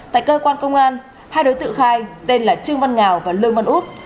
tại cơ quan công an hai đối tượng khai tên là trương văn ngào và lương văn út